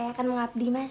saya akan mengabdi mas